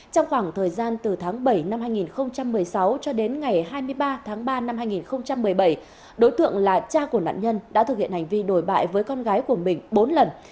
trong khoảng thời gian từ tháng bảy năm hai nghìn một mươi sáu cho đến ngày hai mươi ba tháng ba năm hai nghìn một mươi bảy đối tượng là cha của nạn nhân đã thực hiện hành vi đổi bại với con gái của mình bốn lần